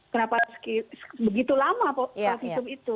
kenapa begitu lama visum itu